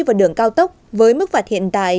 vào đường cao tốc với mức phạt hiện tại